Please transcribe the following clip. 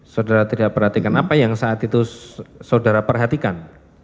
saudara tidak perhatikan apa yang saat itu saudara perhatikan